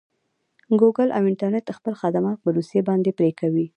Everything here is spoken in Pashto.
ګوګل او انټرنټ خپل خدمات په روسې باندې پري کوي.